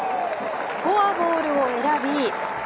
フォアボールを選び